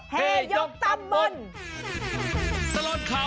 เฮยกตำบล